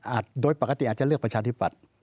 โดยปกติอาจจะเลือกประชาธิปัตย์